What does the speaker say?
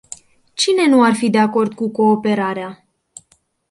Cine nu ar fi de acord cu cooperarea?